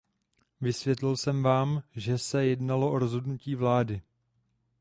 Vysvětlil jsem vám, že se jednalo o rozhodnutí vlády.